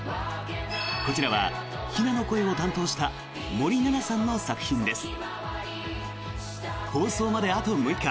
こちらは陽菜の声を担当した森七菜さんの作品です。